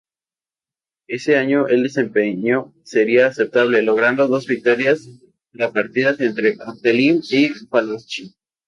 Ese año, el desempeño sería aceptable, logrando dos victorias repartidas entre Ortelli y Falaschi.